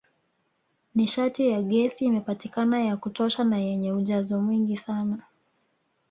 Nishati ya gesi imepatikana ya kutosha na yenye ujazo mwingi sana